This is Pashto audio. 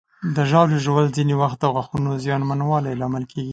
د ژاولې ژوول ځینې وخت د غاښونو زیانمنوالي لامل کېږي.